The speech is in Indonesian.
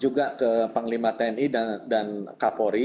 juga ke panglima tni dan kapolri